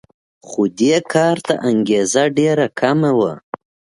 خو دې کار ته انګېزه ډېره کمه وه